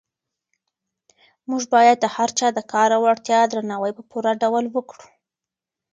موږ باید د هر چا د کار او وړتیا درناوی په پوره ډول وکړو.